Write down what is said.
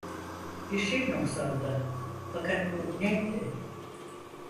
Bir şey noksandı, fakat bu neydi?